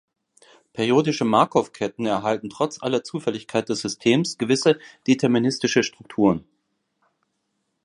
Periodische Markow-Ketten erhalten trotz aller Zufälligkeit des Systems gewisse deterministische Strukturen.